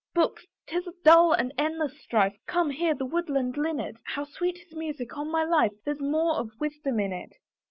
Books! 'tis a dull and endless strife, Come, hear the woodland linnet, How sweet his music; on my life There's more of wisdom in it.